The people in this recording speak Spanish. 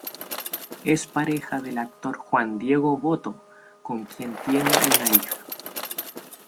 Es pareja del actor Juan Diego Botto, con quien tiene una hija.